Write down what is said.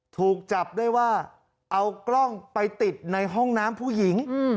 ถูกจับได้ว่าเอากล้องไปติดในห้องน้ำผู้หญิง